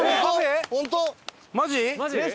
マジ？